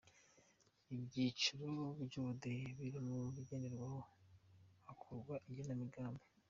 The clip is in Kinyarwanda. Ibyiciro by’ubudehe biri mu bigenderwaho hakorwa igenamigambi.